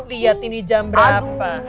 lihat ini jam berapa